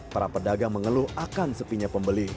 para pedagang mengeluh akan sepinya pembeli